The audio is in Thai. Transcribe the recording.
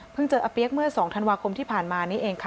เจออาเปี๊ยกเมื่อ๒ธันวาคมที่ผ่านมานี้เองค่ะ